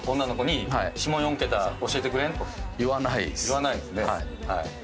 言わないんですね。